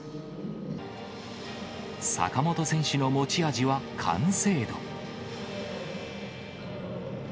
坂本選手の持ち味は完成度。